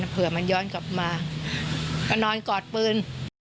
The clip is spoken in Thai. เผื่อมันย้อนกลับมาก็นอนกอดปืน